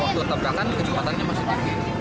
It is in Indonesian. waktu tabrakan kecepatannya masih tinggi